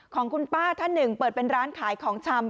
ของคุณป้าท่านหนึ่งเปิดเป็นร้านขายของชำ